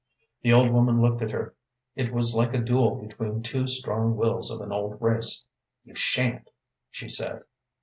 The old woman looked at her. It was like a duel between two strong wills of an old race. "You sha'n't," she said.